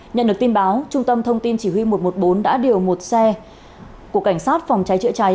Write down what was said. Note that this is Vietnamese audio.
nhận được tin báo trung tâm thông tin chỉ huy một trăm một mươi bốn đã điều một xe của cảnh sát phòng cháy chữa cháy